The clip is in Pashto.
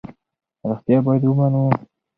رښتیا باید ومنو.